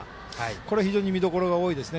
これ非常に見どころが多いですね。